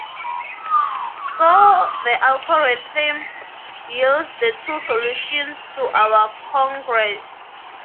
So the algorithm yields the two solutions to our congruence.